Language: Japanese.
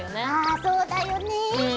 ああそうだよね。